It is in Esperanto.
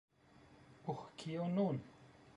Uh... kio nun?